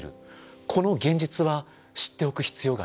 この現実は知っておく必要があります。